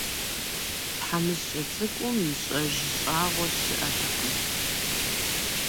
ТхьэмыщкӀэ цӀыкӀум ищӀэж щӀагъуэ щыӀэтэкъым.